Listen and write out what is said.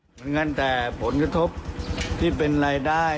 เหมือนกันแต่ผลกระทบที่เป็นรายได้